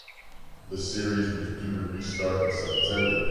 The series was due to restart in September.